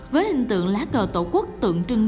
với hình tượng lá cờ tổ quốc tượng trưng